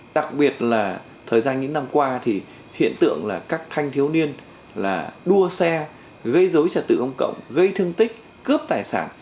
đặc biệt là thời gian những năm qua thì hiện tượng là các thanh thiếu niên đua xe gây dối trật tự công cộng gây thương tích cướp tài sản